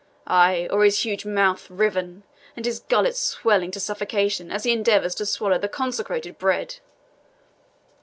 Ay, or his huge mouth riven, and his gullet swelling to suffocation, as he endeavours to swallow the consecrated bread!"